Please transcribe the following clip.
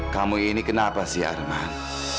kamu ini kenapa si arman